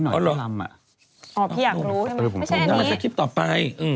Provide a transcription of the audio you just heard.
หรอพี่อยากรู้ไม่ใช่อันนี้